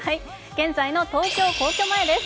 現在の東京・皇居前です。